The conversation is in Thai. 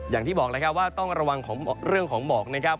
อย่างที่บอกแล้วครับว่าต้องระวังเรื่องของหมอกนะครับ